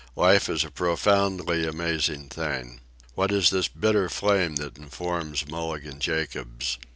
Life is a profoundly amazing thing. What is this bitter flame that informs Mulligan Jacobs?